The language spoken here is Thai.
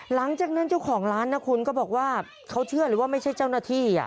หลังจากนั้นเจ้าของร้านนะคุณก็บอกว่าเขาเชื่อเลยว่าไม่ใช่เจ้าหน้าที่